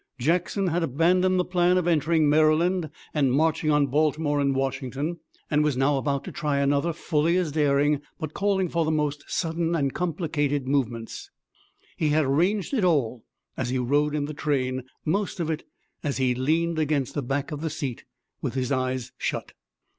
Jackson had abandoned the plan of entering Maryland and marching on Baltimore and Washington, and was now about to try another, fully as daring, but calling for the most sudden and complicated movements. He had arranged it all, as he rode in the train, most of it as he leaned against the back of the seat with his eyes shut.